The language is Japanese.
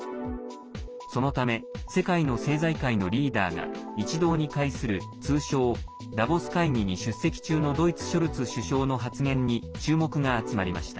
そのため世界の政財界のリーダーが一堂に会する通称ダボス会議に出席中のドイツ、ショルツ首相の発言に注目が集まりました。